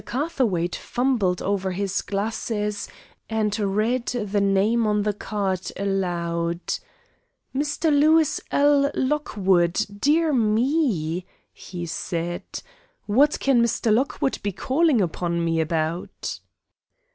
Catherwaight fumbled over his glasses, and read the name on the card aloud: "'Mr. Lewis L. Lockwood.' Dear me!" he said; "what can Mr. Lockwood be calling upon me about?"